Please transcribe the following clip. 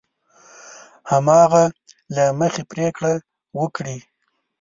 هماغه له مخې پرېکړه وکړي.